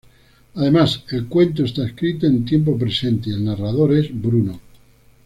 Además, el cuento está escrito en tiempo presente y el narrador es Bruno.